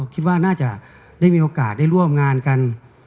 คิดว่าน่าจะได้มีโอกาสได้ร่วมงานกัน